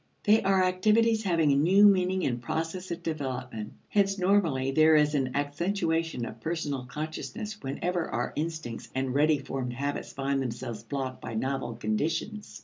They are activities having a new meaning in process of development. Hence, normally, there is an accentuation of personal consciousness whenever our instincts and ready formed habits find themselves blocked by novel conditions.